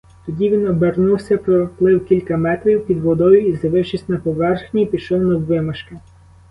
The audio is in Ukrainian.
Тоді він обернувся, проплив кілька метрів під водою і, з'явившись на поверхні, пішов наввимашки.